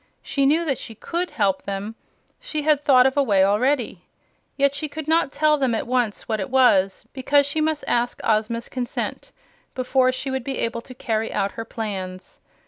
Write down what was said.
She knew that she COULD help them. She had thought of a way already. Yet she did not tell them at once what it was, because she must ask Ozma's consent before she would be able to carry out her plans.